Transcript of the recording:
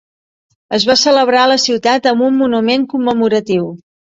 Es va celebrar a la ciutat amb un monument commemoratiu.